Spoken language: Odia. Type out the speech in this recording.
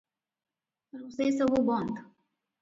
ରୋଷେଇ ସବୁ ବନ୍ଦ ।